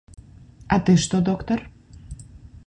А ты што, доктар?